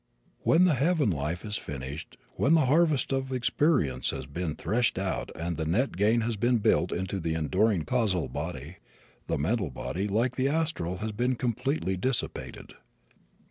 When the heaven life is finished, when the harvest of experience has been threshed out and the net gain has been built into the enduring causal body, the mental body, like the astral, has been completely dissipated.